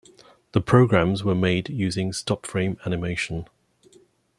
The programmes were made using stop-frame animation.